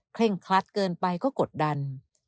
เร่งครัดเกินไปก็กดดัน